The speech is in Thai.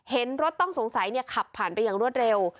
เห็นรถต้องสงสัยขับผ่านไปอย่างรวดเร็ว